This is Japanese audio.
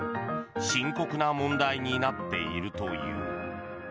深刻な問題になっているという。